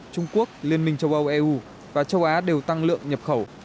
trung quốc liên minh châu âu eu và châu á đều tăng lượng nhập khẩu